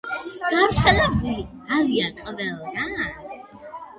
გავრცელებული არიან ყველგან.